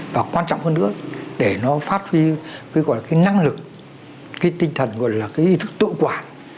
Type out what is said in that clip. và quan trọng hơn nữa để nó phát huy năng lực tinh thần tự quản